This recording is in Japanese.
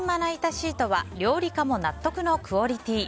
シートは料理家も納得のクオリティー。